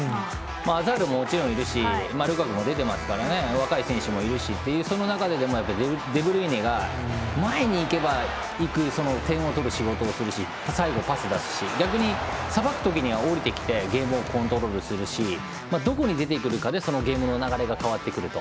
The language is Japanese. アザールもルカクも出てますから若い選手もいるんですけどその中でもデブルイネが前にいけば点を取る仕事をするし最後、パス出すし逆にさばくときには下りてきてゲームをコントロールするしどこに出てくるかでそのゲームの流れが変わってくると。